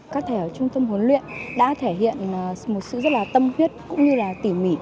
các thầy ở trung tâm huấn luyện đã thể hiện một sự rất là tâm huyết cũng như là tỉ mỉ